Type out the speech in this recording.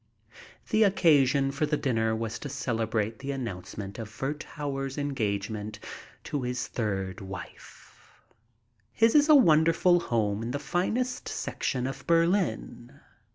The occasion for the dinner was to celebrate the an nouncement of Werthauer's engagement to his third wife. His is a wonderful home in the finest section of Berlin.